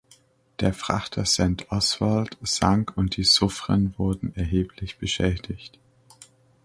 Der Frachter Saint Oswald sank und die Suffren wurde erheblich beschädigt.